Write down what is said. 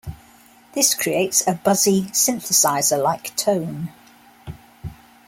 This creates a buzzy synthesizer like tone.